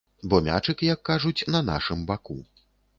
Бо мячык, як кажуць, на нашым баку.